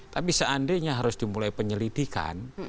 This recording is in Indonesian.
tapi seandainya harus dimulai penyelidikan